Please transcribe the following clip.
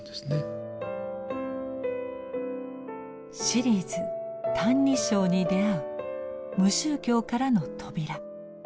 シリーズ「歎異抄にであう無宗教からの扉」。